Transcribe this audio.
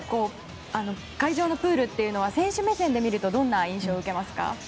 会場のプールは選手目線で見るとどんな印象を受けますか？